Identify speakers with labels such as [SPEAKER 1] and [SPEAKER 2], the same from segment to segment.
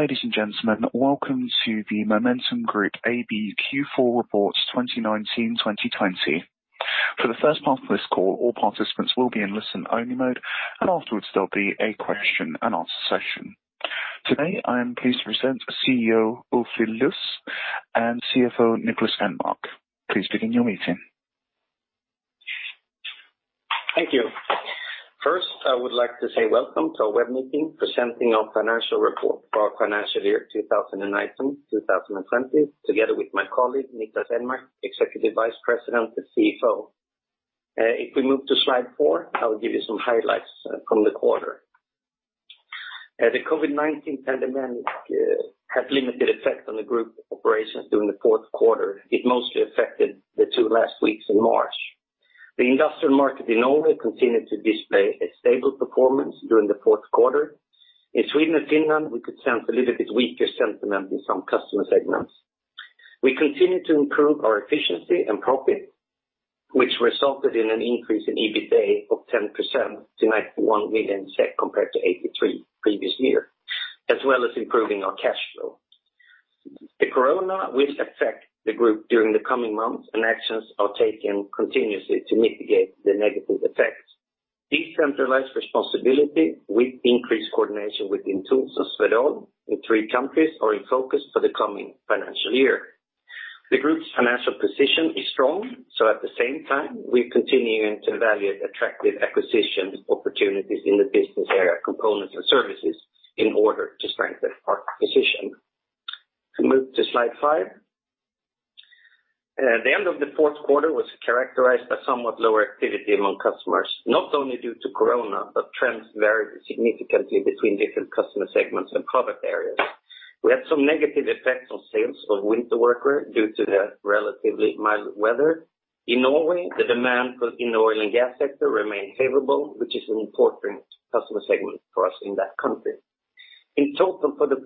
[SPEAKER 1] Ladies and gentlemen, welcome to the Momentum Group AB Q4 reports 2019, 2020. For the first part of this call, all participants will be in listen-only mode, and afterwards, there'll be a question and answer session. Today, I am pleased to present CEO, Ulf Lilius, and CFO, Niklas Enmark. Please begin your meeting.
[SPEAKER 2] Thank you. First, I would like to say welcome to our web meeting, presenting our financial report for our financial year 2019, 2020, together with my colleague, Niklas Enmark, Executive Vice President and CFO. If we move to Slide 4, I will give you some highlights from the quarter. The COVID-19 pandemic had limited effect on the group operations during the fourth quarter. It mostly affected the two last weeks in March. The industrial market in Norway continued to display a stable performance during the fourth quarter. In Sweden and Finland, we could sense a little bit weaker sentiment in some customer segments. We continued to improve our efficiency and profit, which resulted in an increase in EBITA of 10% to 91 million SEK, compared to 83 previous year, as well as improving our cash flow. The corona will affect the group during the coming months, and actions are taken continuously to mitigate the negative effects. Decentralized responsibility with increased coordination within TOOLS and Swedol in three countries are in focus for the coming financial year. The group's financial position is strong, so at the same time, we're continuing to evaluate attractive acquisition opportunities in the business area, Components & Services, in order to strengthen our position. Move to Slide 5. The end of the fourth quarter was characterized by somewhat lower activity among customers, not only due to corona, but trends varied significantly between different customer segments and product areas. We had some negative effects on sales of winter workwear due to the relatively mild weather. In Norway, the demand for in the oil and gas sector remained favorable, which is an important customer segment for us in that country. In total, for the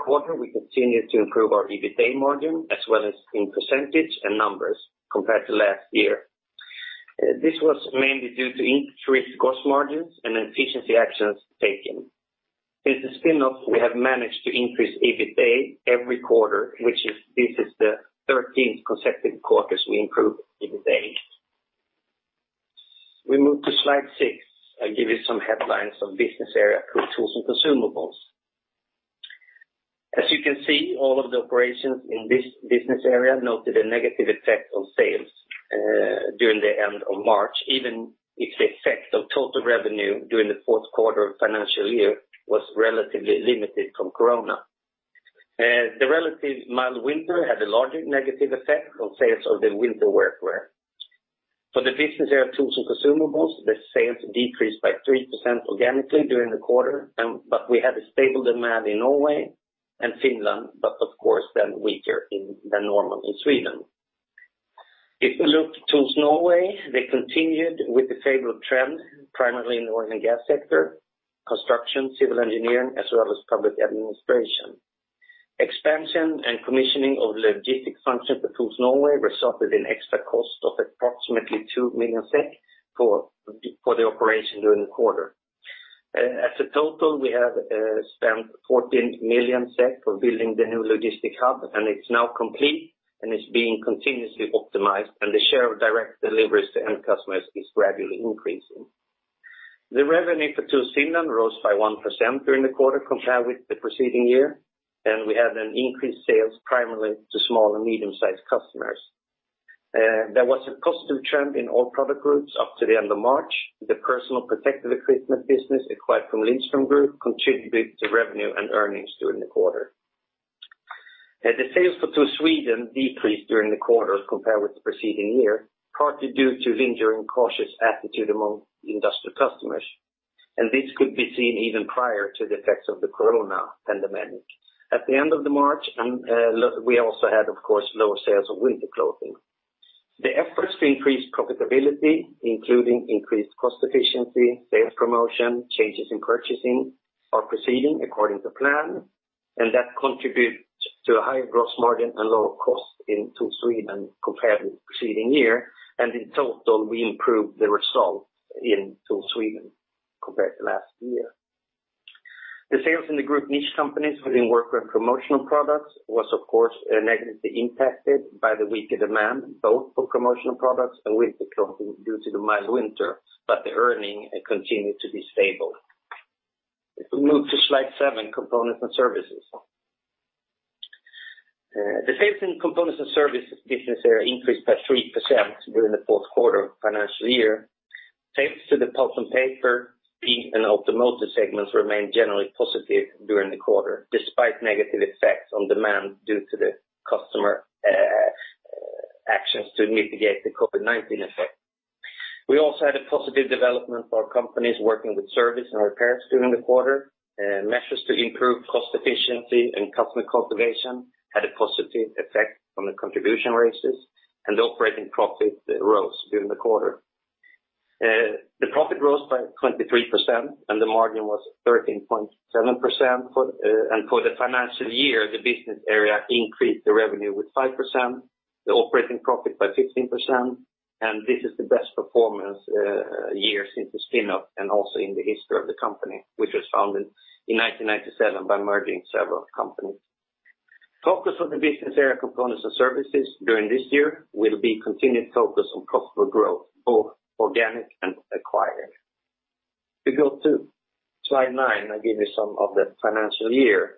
[SPEAKER 2] quarter, we continued to improve our EBITA margin, as well as in percentage and numbers compared to last year. This was mainly due to increased cost margins and efficiency actions taken. Since the spin-off, we have managed to increase EBITA every quarter, which is—this is the thirteenth consecutive quarter as we improve EBITA. We move to Slide 6. I'll give you some headlines on Business area, TOOLS and Consumables. As you can see, all of the operations in this business area noted a negative effect on sales during the end of March, even if the effect of total revenue during the fourth quarter of financial year was relatively limited from corona. The relatively mild winter had a larger negative effect on sales of the winter workwear. For the business area, TOOLS and Consumables, the sales decreased by 3% organically during the quarter, but we had a stable demand in Norway and Finland, but of course, then weaker than normal in Sweden. If we look TOOLS Norway, they continued with the favorable trend, primarily in the oil and gas sector, construction, civil engineering, as well as public administration. Expansion and commissioning of logistic functions for TOOLS Norway resulted in extra cost of approximately 2 million SEK for the operation during the quarter. As a total, we have spent 14 million SEK for building the new logistic hub, and it's now complete, and it's being continuously optimized, and the share of direct deliveries to end customers is gradually increasing. The revenue for TOOLS Finland rose by 1% during the quarter, compared with the preceding year, and we had an increased sales primarily to small and medium-sized customers. There was a positive trend in all product groups up to the end of March. The personal protective equipment business acquired from Lindström Group contributed to revenue and earnings during the quarter. The sales for TOOLS Sweden decreased during the quarter compared with the preceding year, partly due to the enduring cautious attitude among industrial customers, and this could be seen even prior to the effects of the corona pandemic. At the end of the March, we also had, of course, lower sales of winter clothing. The efforts to increase profitability, including increased cost efficiency, sales promotion, changes in purchasing, are proceeding according to plan, and that contributes to a higher gross margin and lower cost in TOOLS Sweden compared with the preceding year. In total, we improved the result in TOOLS Sweden compared to last year. The sales in the group niche companies within workwear and promotional products was, of course, negatively impacted by the weaker demand, both for promotional products and winter clothing due to the mild winter, but the earning continued to be stable. If we move to Slide 7, Components & Services. The sales in Components & Services business area increased by 3% during the fourth quarter of financial year. Sales to the pulp and paper, steel, and automotive segments remained generally positive during the quarter, despite negative effects on demand due to the customer actions to mitigate the COVID-19 effect. We also had a positive development for our companies working with service and repairs during the quarter. Measures to improve cost efficiency and customer cultivation had a positive effect on the contribution rates, and the operating profit rose during the quarter. The profit rose by 23%, and the margin was 13.7% for, and for the financial year, the business area increased the revenue with 5%, the operating profit by 15%. This is the best performance year since the spin off, and also in the history of the company, which was founded in 1997 by merging several companies. Focus on the business area, Components & Services during this year will be continued focus on profitable growth, both organic and acquiring. We go to Slide 9. I give you some of the financial year.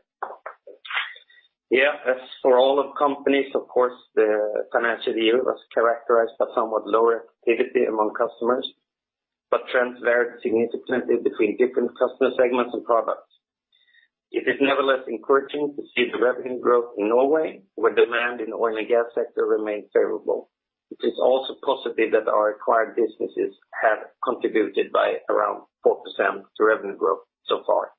[SPEAKER 2] Yeah, as for all of companies, of course, the financial year was characterized by somewhat lower activity among customers, but trends varied significantly between different customer segments and products. It is nevertheless encouraging to see the revenue growth in Norway, where demand in oil and gas sector remains favorable. It is also positive that our acquired businesses have contributed by around 4% to revenue growth so far.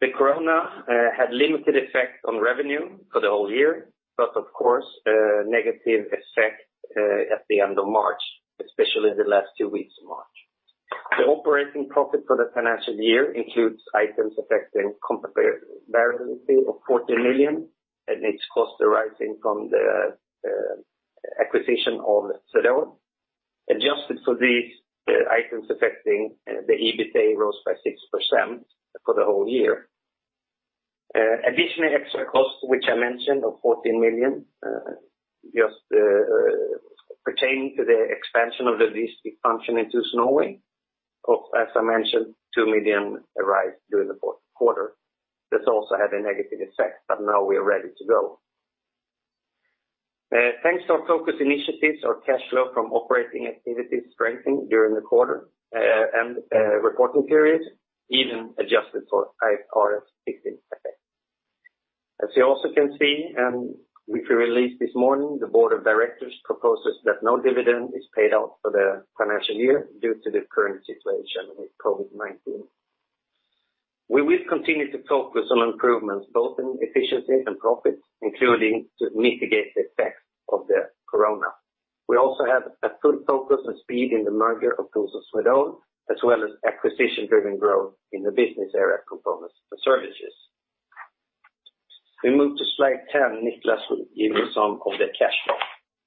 [SPEAKER 2] The corona had limited effect on revenue for the whole year, but of course, a negative effect at the end of March, especially the last two weeks of March. The operating profit for the financial year includes items affecting comparability of 14 million, and its cost arising from the acquisition of Swedol. Adjusted for these items affecting the EBITA rose by 6% for the whole year. Additional extra cost, which I mentioned of 14 million, just pertaining to the expansion of the logistic function into Norway. Of, as I mentioned, 2 million arrived during the fourth quarter. This also had a negative effect, but now we are ready to go. Thanks to our focus initiatives, our cash flow from operating activities strengthened during the quarter and reporting periods, even adjusted for IFRS 16 effect. As you also can see, and we released this morning, the board of directors proposes that no dividend is paid out for the financial year due to the current situation with COVID-19. We will continue to focus on improvements, both in efficiency and profits, including to mitigate the effects of the corona. We also have a full focus on speed in the merger of TOOLS and Swedol, as well as acquisition-driven growth in the business area, Components & Services. We move to Slide 10. Niklas will give you some of the cash flow.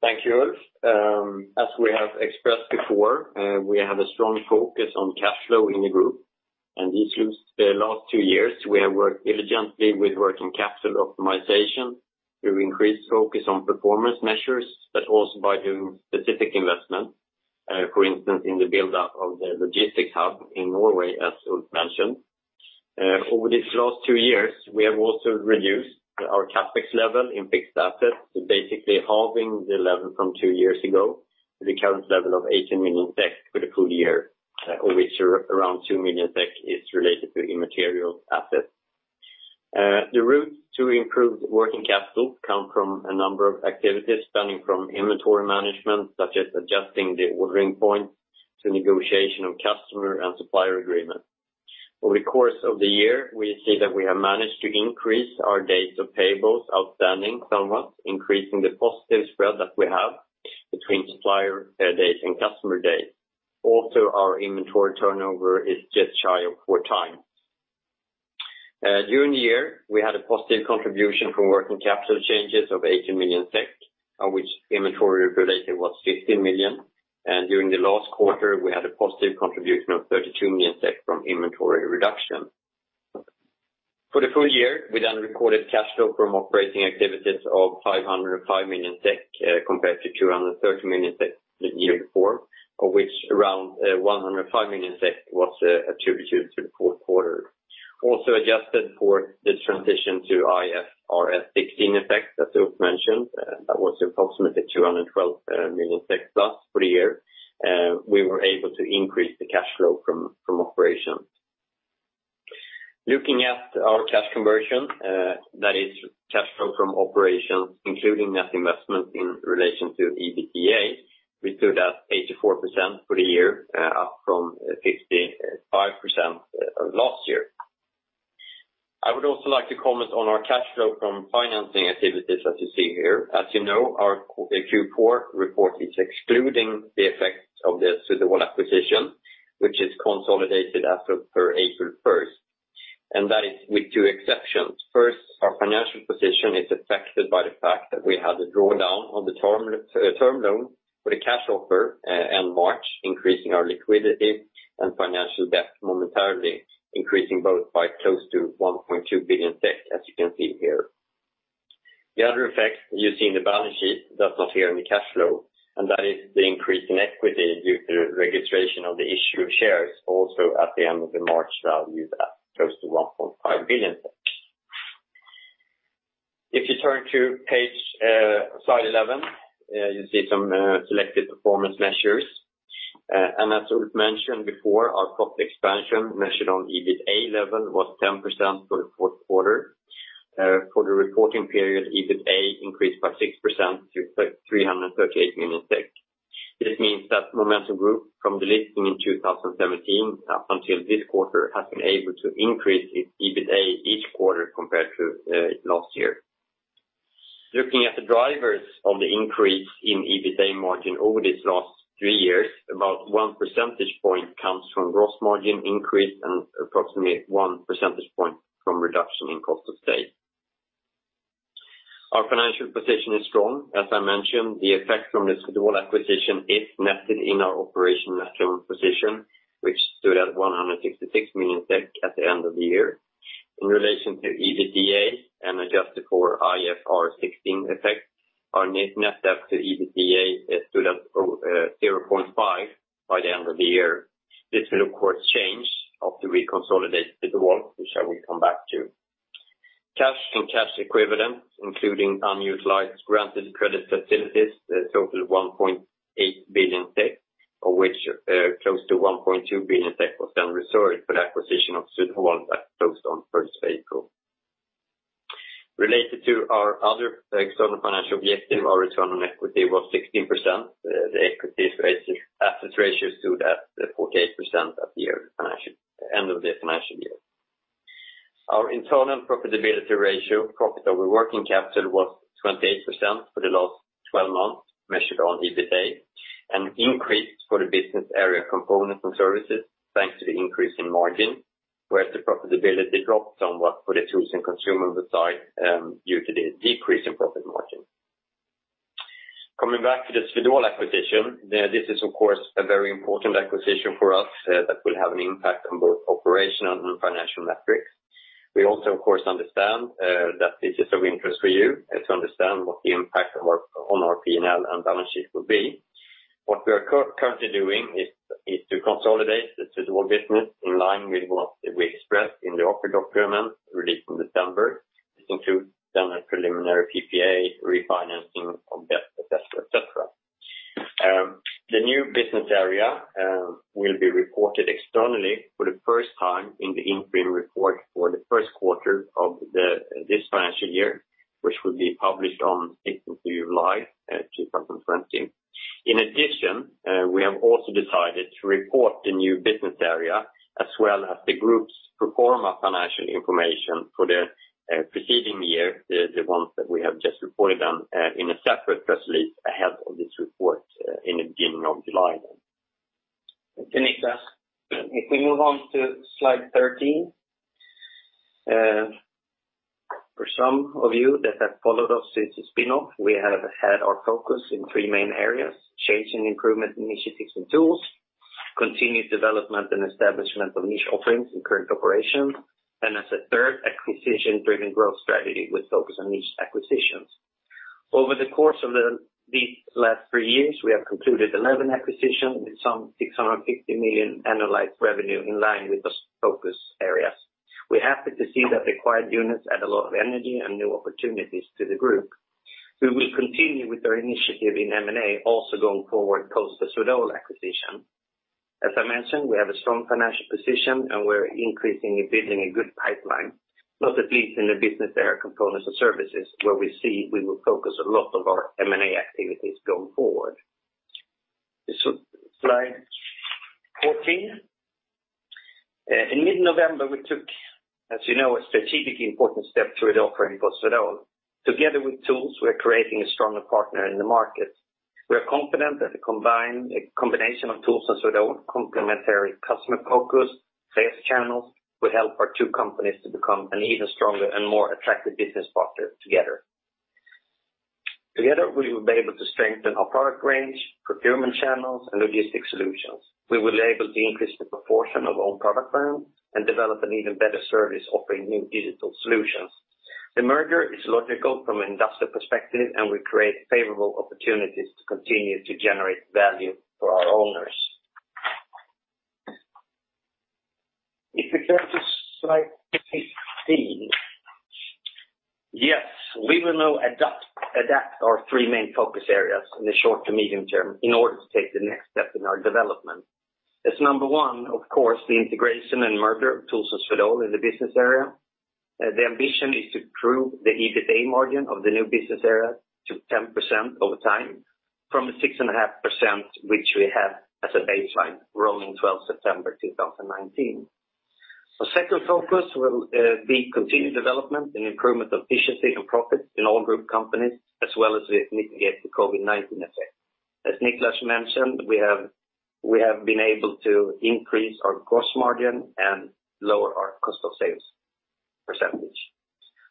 [SPEAKER 3] Thank you, Ulf. As we have expressed before, we have a strong focus on cash flow in the group, and this is the last two years, we have worked diligently with working capital optimization to increase focus on performance measures, but also by doing specific investment, for instance, in the buildup of the logistics hub in Norway, as Ulf mentioned. Over these last two years, we have also reduced our CapEx level in fixed assets, basically halving the level from two years ago to the current level of 18 million SEK for the full year, of which around 2 million SEK is related to intangible assets. The route to improved working capital come from a number of activities, spanning from inventory management, such as adjusting the ordering points to negotiation of customer and supplier agreement. Over the course of the year, we see that we have managed to increase our days of payables outstanding, somewhat increasing the positive spread that we have between supplier days and customer days. Also, our inventory turnover is just [under] four times. During the year, we had a positive contribution from working capital changes of 18 million SEK, of which inventory related was 15 million, and during the last quarter, we had a positive contribution of 32 million SEK from inventory reduction. For the full year, we then recorded cash flow from operating activities of 505 million SEK, compared to 230 million SEK the year before, of which around 105 million SEK was attributed to the fourth quarter. Also adjusted for the transition to IFRS 16 effect, as Ulf mentioned, that was approximately 212 million plus for the year, we were able to increase the cash flow from operations. Looking at our cash conversion, that is cash flow from operations, including net investment in relation to EBITDA, we stood at 84% for the year, up from 65% last year. I would also like to comment on our cash flow from financing activities, as you see here. As you know, our Q4 report is excluding the effects of the Swedol acquisition, which is consolidated as per April 1st, and that is with two exceptions. First, our financial position is affected by the fact that we had a drawdown on the term loan for the cash offer in March, increasing our liquidity and financial debt momentarily, increasing both by close to 1.2 billion, as you can see here. The other effect you see in the balance sheet, that's not here in the cash flow, and that is the increase in equity due to the registration of the issue of shares, also at the end of the March value, that close to 1.5 billion SEK. If you turn to page, Slide 11, you see some selected performance measures. And as Ulf mentioned before, our profit expansion, measured on EBITA level, was 10% for the fourth quarter. For the reporting period, EBITA increased by 6% to 338 million SEK. This means that Momentum Group, from the listing in 2017 up until this quarter, has been able to increase its EBITA each quarter compared to last year. Looking at the drivers of the increase in EBITA margin over these last three years, about 1 percentage point comes from gross margin increase and approximately 1 percentage point from reduction in cost of sale. Our financial position is strong. As I mentioned, the effect from the Swedol acquisition is netted in our operational natural position, which stood at 166 million SEK at the end of the year. In relation to EBITDA and adjusted for IFRS 16 effect, our net debt to EBITDA stood at 0.5 by the end of the year. This will, of course, change after we consolidate Swedol, which I will come back to. Cash and cash equivalents, including unutilized granted credit facilities, a total of 1.8 billion, of which close to 1.2 billion was then restored for the acquisition of Swedol that closed on first April. Related to our other external financial objective, our return on equity was 16%. The equity asset ratio stood at 48% at the end of the financial year. Our internal profitability ratio, profit over working capital, was 28% for the last 12 months, measured on EBITDA, and increased for the business area Components & Services, thanks to the increase in margin, whereas the profitability dropped somewhat for the TOOLS and consumable side due to the decrease in profit margin. Coming back to the Swedol acquisition, this is of course, a very important acquisition for us, that will have an impact on both operational and financial metrics. We also, of course, understand, that this is of interest for you, and to understand what the impact on our, on our P&L and balance sheet will be. What we are currently doing is to consolidate the Swedol business in line with what we expressed in the offer document released in December, this includes done a preliminary PPA, refinancing of debt, et cetera. The new business area will be reported externally for the first time in the interim report for the first quarter of this financial year, which will be published on July 16th, 2020. In addition, we have also decided to report the new business area, as well as the group's pro forma financial information for the preceding year, the, the ones that we have just reported on, in a separate press release ahead of this report, in the beginning of July.
[SPEAKER 2] Niklas, if we move on to Slide 13. For some of you that have followed us since the spin-off, we have had our focus in three main areas: change and improvement initiatives and TOOLS, continued development and establishment of niche offerings in current operations, and as a third, acquisition-driven growth strategy with focus on niche acquisitions. Over the course of the, these last three years, we have concluded 11 acquisitions with some 650 million annualized revenue in line with those focus areas. We're happy to see that the acquired units add a lot of energy and new opportunities to the group. We will continue with our initiative in M&A, also going forward post the Swedol acquisition. As I mentioned, we have a strong financial position, and we're increasingly building a good pipeline, not at least in the business area Components & Services, where we see we will focus a lot of our M&A activities going forward. So Slide 14. In mid-November, we took, as you know, a strategically important step through the offering for Swedol. Together with TOOLS, we are creating a stronger partner in the market. We are confident that the combined, the combination of TOOLS and Swedol complementary customer focus, sales channels, will help our two companies to become an even stronger and more attractive business partner together. Together, we will be able to strengthen our product range, procurement channels, and logistics solutions. We will be able to increase the proportion of own product brands and develop an even better service, offering new digital solutions. The merger is logical from an industrial perspective, and will create favorable opportunities to continue to generate value for our owners. If we turn to Slide 15. Yes, we will now adapt our three main focus areas in the short to medium term in order to take the next step in our development. As number one, of course, the integration and merger of TOOLS and Swedol in the business area. The ambition is to improve the EBITDA margin of the new business area to 10% over time from the 6.5%, which we have as a baseline, rolling September 12th, 2019. The second focus will be continued development and improvement of efficiency and profit in all group companies, as well as we mitigate the COVID-19 effect. As Niklas mentioned, we have, we have been able to increase our gross margin and lower our cost of sales percentage.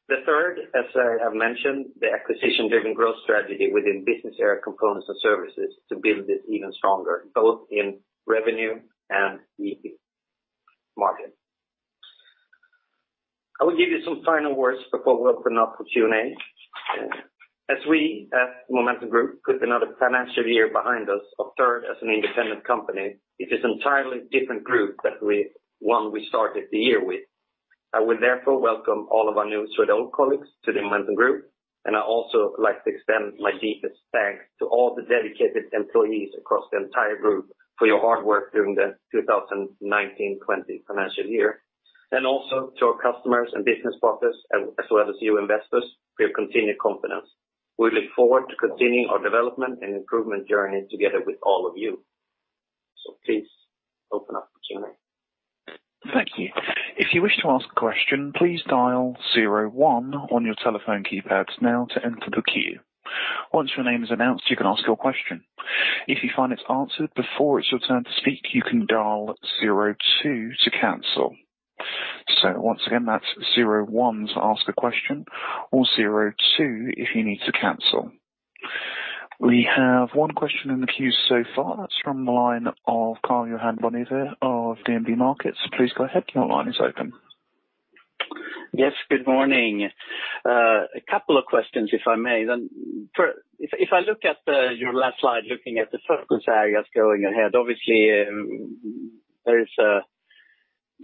[SPEAKER 2] The third, as I have mentioned, the acquisition-driven growth strategy within business area Components & Services to build it even stronger, both in revenue and EBITDA margin. I will give you some final words before we open up for Q&A. As we, at Momentum Group, put another financial year behind us, a third as an independent company, it is an entirely different group that we one we started the year with. I will therefore welcome all of our new Swedol colleagues to the Momentum Group, and I'd also like to extend my deepest thanks to all the dedicated employees across the entire group for your hard work during the 2019, 2020 financial year, and also to our customers and business partners, as well as you investors, for your continued confidence. We look forward to continuing our development and improvement journey together with all of you. So please open up the Q&A.
[SPEAKER 1] Thank you. If you wish to ask a question, please dial zero one on your telephone keypads now to enter the queue. Once your name is announced, you can ask your question. If you find it's answered before it's your turn to speak, you can dial zero two to cancel. So once again, that's zero one to ask a question, or zero two if you need to cancel. We have one question in the queue so far. That's from the line of Karl-Johan Bonnevier of DNB Markets. Please go ahead. Your line is open.
[SPEAKER 4] Yes, good morning. A couple of questions, if I may. If I look at your last slide, looking at the focus areas going ahead, obviously, there is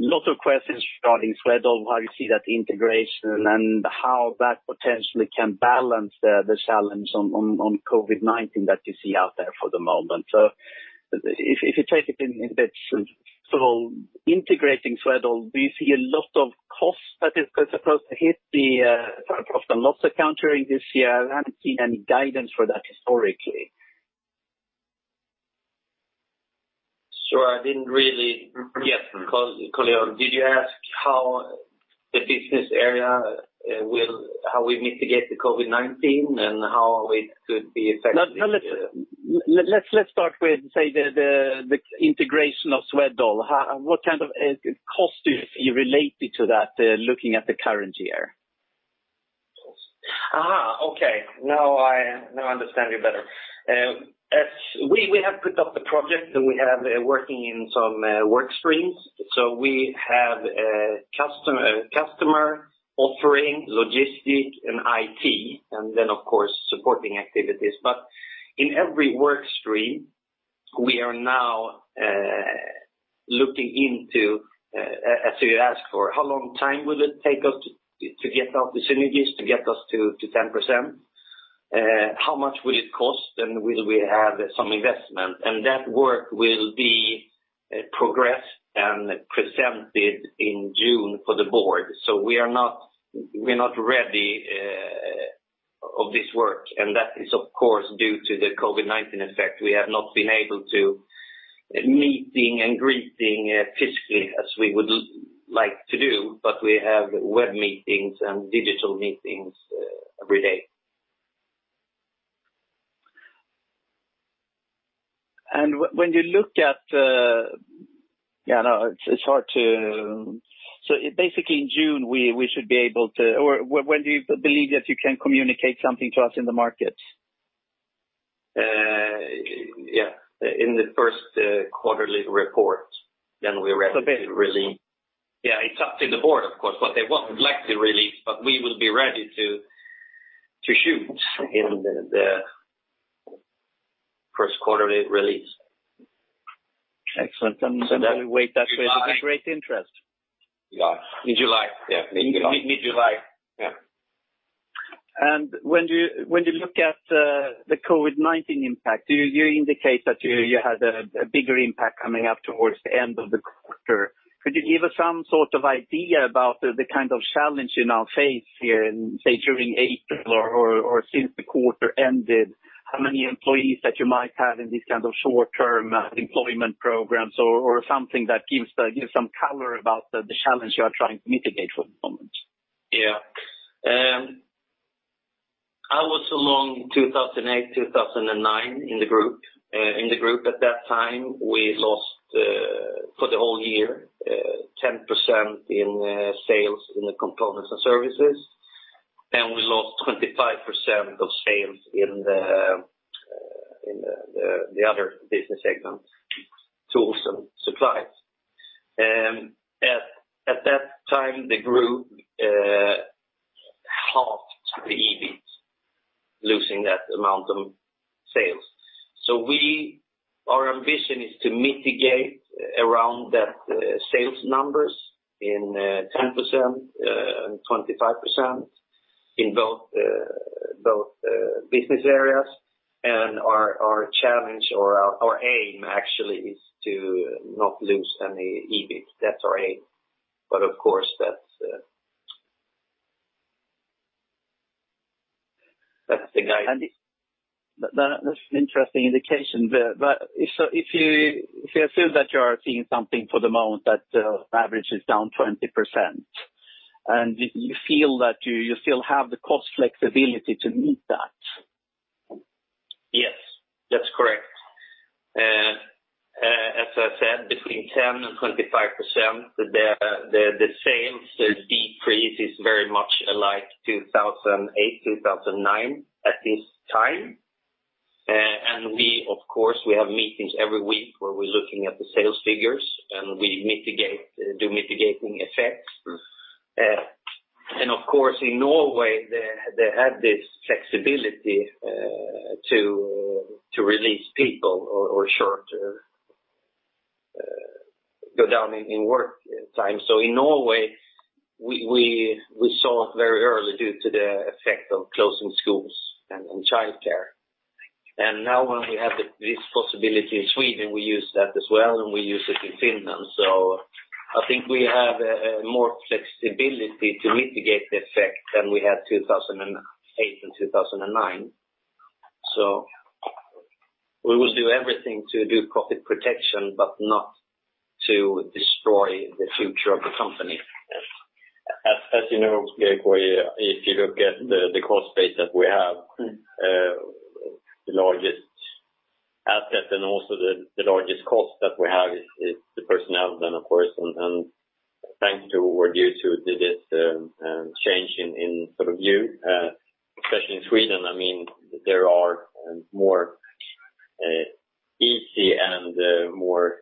[SPEAKER 4] a lot of questions regarding Swedol, how you see that integration and how that potentially can balance the challenge on COVID-19 that you see out there for the moment. So if you take it in a bit, so integrating Swedol, do you see a lot of costs that is supposed to hit the profit and loss account during this year? I haven't seen any guidance for that historically.
[SPEAKER 2] So I didn't really. Yes, Karl-Johan, did you ask how the business area, how we mitigate the COVID-19 and how we could be effective?
[SPEAKER 4] No, no, let's start with, say, the integration of Swedol. How, what kind of cost do you relate it to that, looking at the current year?
[SPEAKER 2] Ah, okay. Now I understand you better. As we have put up the project, and we have working in some work streams. So we have a customer offering logistics and IT, and then, of course, supporting activities. But in every work stream, we are now looking into, as you ask for, how long time will it take us to get out the synergies, to get us to 10%? How much will it cost, and will we have some investment? And that work will be progressed and presented in June for the board. So we are not ready of this work, and that is, of course, due to the COVID-19 effect. We have not been able to meet and greet physically as we would like to do, but we have web meetings and digital meetings every day.
[SPEAKER 4] When you look at, yeah, I know, it's hard to. So basically, in June, we should be able to, or when do you believe that you can communicate something to us in the market?
[SPEAKER 3] Yeah, in the first quarterly report, then we're ready to release.
[SPEAKER 4] Okay.
[SPEAKER 3] Yeah, it's up to the board, of course, what they want and like to release, but we will be ready to shoot in the first quarterly release.
[SPEAKER 4] Excellent.
[SPEAKER 3] So then-
[SPEAKER 4] We wait that way with great interest.
[SPEAKER 3] Yeah. In July.
[SPEAKER 4] Yeah, mid-July.
[SPEAKER 3] Yeah.
[SPEAKER 4] When you look at the COVID-19 impact, you indicate that you had a bigger impact coming up towards the end of the quarter. Could you give us some sort of idea about the kind of challenge you now face here in, say, during April or since the quarter ended? How many employees that you might have in this kind of short-term employment programs or something that gives some color about the challenge you are trying to mitigate for the moment?
[SPEAKER 3] Yeah. I was along 2008, 2009, in the group. In the group at that time, we lost, for the whole year, 10% in sales in the Components & Services, and we lost 25% of sales in the other business segments, TOOLS and supplies. At that time, the group halved the EBIT, losing that amount of sales. So our ambition is to mitigate around that sales numbers in 10% and 25% in both business areas. And our challenge or our aim actually is to not lose any EBIT. That's our aim. But of course, that's the guide.
[SPEAKER 4] That's an interesting indication. But if so, if you feel that you are seeing something for the moment that averages down 20%, and you feel that you still have the cost flexibility to meet that?
[SPEAKER 3] Yes, that's correct. As I said, between 10% and 25%, the sales decrease is very much alike 2008, 2009 at this time. We, of course, have meetings every week where we're looking at the sales figures, and we do mitigating effects. Of course, in Norway, they had this flexibility to release people or, or shorter, go down in work time. In Norway, we saw it very early due to the effect of closing schools and childcare. Now when we have this possibility in Sweden, we use that as well, and we use it in Finland. I think we have more flexibility to mitigate the effect than we had 2008 and 2009. So- We will do everything to do profit protection, but not to destroy the future of the company.
[SPEAKER 2] As you know, Gregory, if you look at the cost base that we have, the largest asset and also the largest cost that we have is the personnel, then, of course, and thanks to what you two did this change in sort of view, especially in Sweden, I mean, there are more easy and more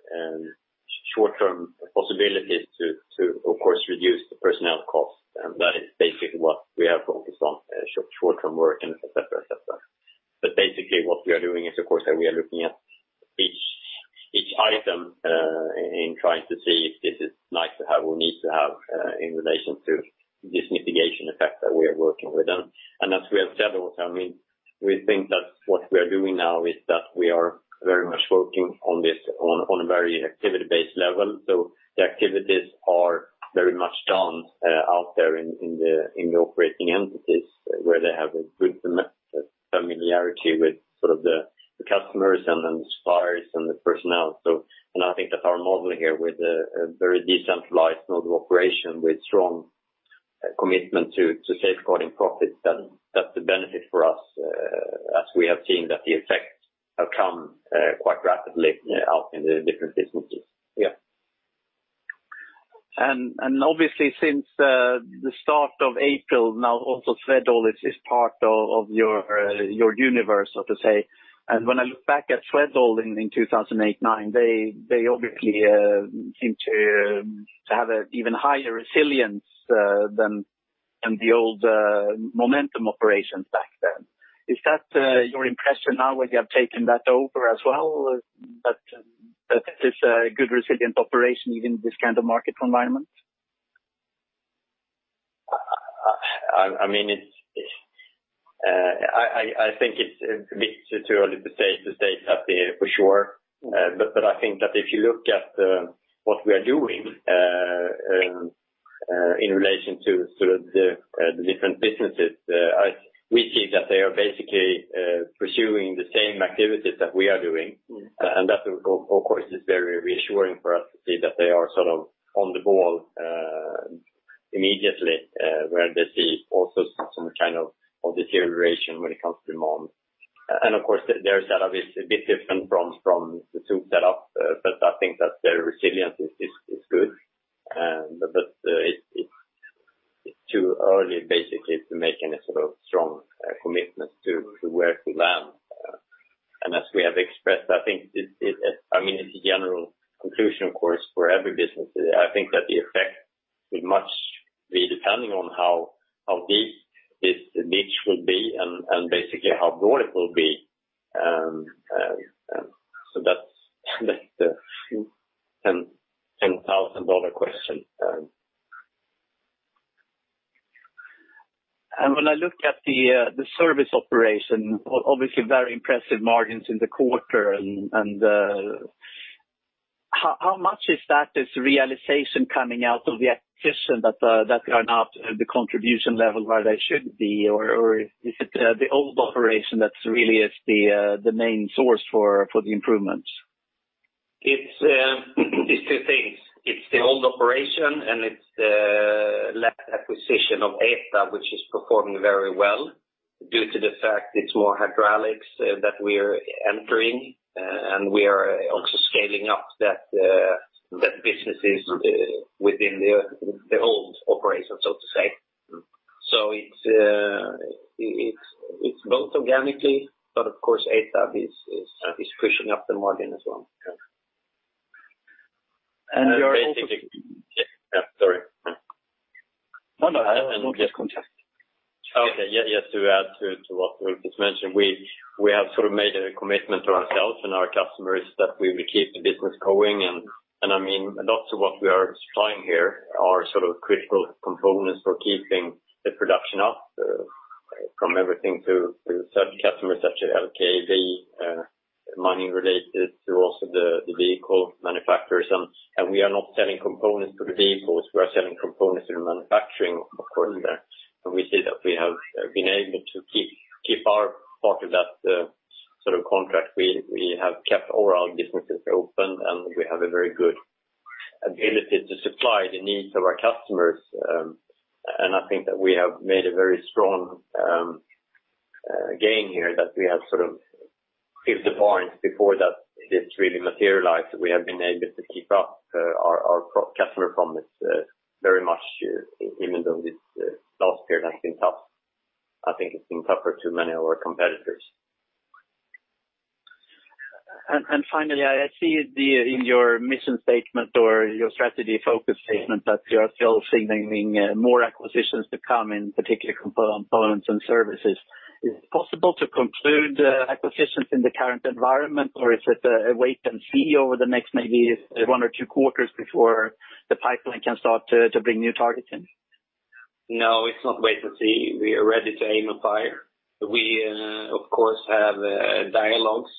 [SPEAKER 2] short-term possibilities to, of course, reduce the personnel costs. And that is basically what we have focused on, short-term work and et cetera, et cetera. But basically what we are doing is, of course, that we are looking at each item in trying to see if this is nice to have, or need to have, in relation to this mitigation effect that we are working with them. And as we have said, also, I mean, we think that what we are doing now is that we are very much working on this on a very activity-based level. So the activities are very much done out there in the operating entities, where they have a good familiarity with sort of the customers and then suppliers and the personnel. So, and I think that our model here with a very decentralized model operation, with strong commitment to safeguarding profits, then that's a benefit for us, as we have seen that the effects have come quite rapidly out in the different businesses. Yeah.
[SPEAKER 4] Obviously, since the start of April, now, also, Swedol is part of your, your universe, so to say. When I look back at Swedol in 2008, 2009, they obviously seem to have an even higher resilience than the old momentum operations back then. Is that your impression now that you have taken that over as well, that that is a good resilient operation, even in this kind of market environment?
[SPEAKER 2] I mean, it's a bit too early to say that for sure. But I think that if you look at what we are doing in relation to sort of the different businesses, we see that they are basically pursuing the same activities that we are doing.
[SPEAKER 4] Mm-hmm.
[SPEAKER 2] And that, of course, is very reassuring for us to see that they are sort of on the ball immediately, where they see also some kind of deterioration when it comes to demand. And of course, their setup is a bit different from the two setup, but I think that their resilience is good. But it's too early, basically, to make any sort of strong commitment to where to land. And as we have expressed, I think it, I mean, it's a general conclusion, of course, for every business. I think that the effect will much be depending on how deep this niche will be and basically how broad it will be. So that's the ten thousand dollar question.
[SPEAKER 4] When I look at the service operation, obviously very impressive margins in the quarter, and how much is that realization coming out of the acquisition that are not the contribution level where they should be, or is it the old operation that really is the main source for the improvements? It's two things. It's the old operation, and it's the last acquisition of ETAB, which is performing very well, due to the fact it's more hydraulics that we are entering. We are also scaling up that businesses within the old operation, so to say.
[SPEAKER 2] Mm-hmm.
[SPEAKER 4] So it's both organically, but of course, EBITA is pushing up the margin as well.
[SPEAKER 2] Yeah.
[SPEAKER 4] And you are also-
[SPEAKER 2] Yeah, sorry.
[SPEAKER 4] No, no. Just continue.
[SPEAKER 2] Okay. Yeah, just to add to what you just mentioned, we have sort of made a commitment to ourselves and our customers that we will keep the business going. And I mean, lots of what we are supplying here are sort of critical components for keeping the production up, from everything to such customers, such as LKAB, mining related to also the vehicle manufacturers. And we are not selling components to the vehicles, we are selling components to the manufacturing, of course, there. And we see that we have been able to keep our part of that sort of contract. We have kept all our businesses open, and we have a very good ability to supply the needs of our customers. I think that we have made a very strong gain here, that we have sort of hit the point before that it is really materialized. We have been able to keep up our pro-customer promise very much here, even though this last period has been tough. I think it's been tougher to many of our competitors.
[SPEAKER 4] Finally, I see in your mission statement or your strategy focus statement that you are still signaling more acquisitions to come in, particularly Components & Services. Is it possible to conclude acquisitions in the current environment, or is it a wait and see over the next maybe one or two quarters before the pipeline can start to bring new targets in?
[SPEAKER 2] No, it's not wait and see. We are ready to aim and fire. We, of course, have dialogues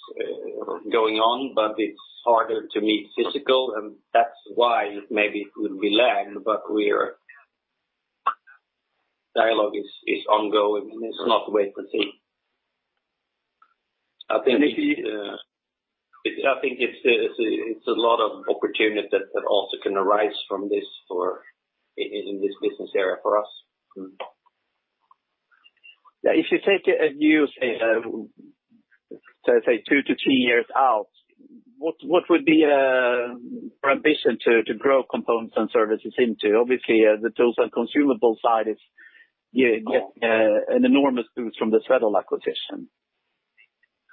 [SPEAKER 2] going on, but it's harder to meet physical, and that's why maybe it would be lag, but we're dialogue is ongoing. It's not wait and see. I think- I think it's a lot of opportunity that also can arise from this or in this business area for us.
[SPEAKER 4] Yeah, if you take a view, say, so say two-four years out, what, what would be, your ambition to, to grow Components & Services into? Obviously, the TOOLS and consumable side is, yeah, an enormous boost from the Swedol acquisition.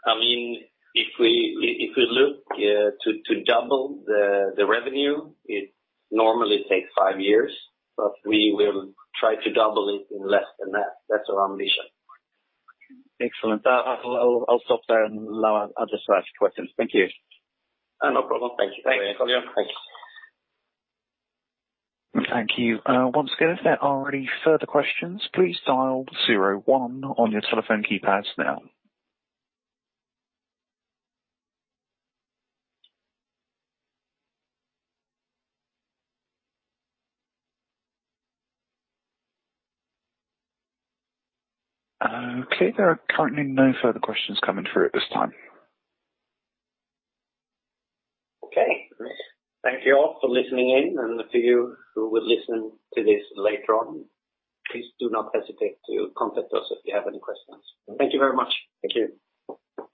[SPEAKER 3] I mean, if we look to double the revenue, it normally takes five years, but we will try to double it in less than that. That's our ambition.
[SPEAKER 4] Excellent. I'll stop there and allow others to ask questions. Thank you.
[SPEAKER 3] No problem. Thank you.
[SPEAKER 4] Thanks.
[SPEAKER 1] Thank you. Once again, if there are any further questions, please dial zero-one on your telephone keypads now. Okay, there are currently no further questions coming through at this time.
[SPEAKER 2] Okay. Thank you all for listening in, and to you who will listen to this later on, please do not hesitate to contact us if you have any questions. Thank you very much. Thank you.